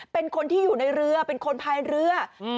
เป็นคนที่อยู่ในเรือเป็นคนพายเรือ